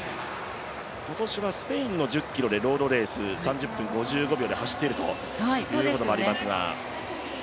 今年はスペインの１０ｋｍのロードレース３０分５５秒で走っているということもありました。